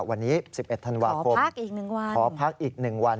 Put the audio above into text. วันนี้๑๑ธันวาคมขอพักอีก๑วัน